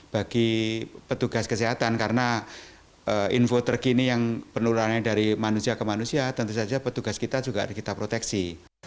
bagi petugas kesehatan karena info terkini yang penularannya dari manusia ke manusia tentu saja petugas kita juga ada kita proteksi